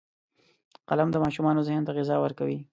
قلم د ماشوم ذهن ته غذا ورکوي